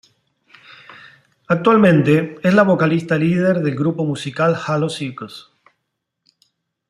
Actualmente, es la vocalista líder del grupo musical Halo Circus.